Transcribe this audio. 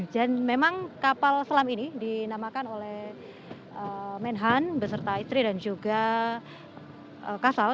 dan memang kapal selam ini dinamakan oleh menhan beserta istri dan juga kasal